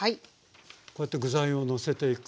こうやって具材をのせていく。